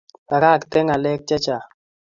Pakaten Ngalek che chang